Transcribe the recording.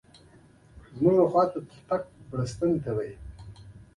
ښکلی کمپيوټر دی؛ د ګوتې د اېښول ځای نه لري.